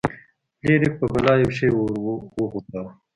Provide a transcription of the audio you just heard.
فلیریک په بلا یو شی وغورځاوه.